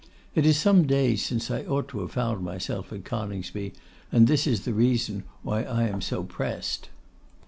It is some days since I ought to have found myself at Coningsby, and this is the reason why I am so pressed.